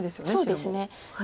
そうですね。